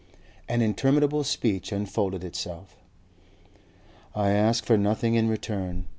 An interminable speech unfolded itself. "I ask for nothing in return.